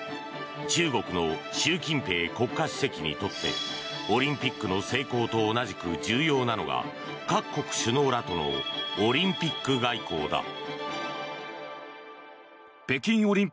中国の習近平国家主席にとってオリンピックの成功と同じく重要なのが各国首脳らとのオリンピック外交だ。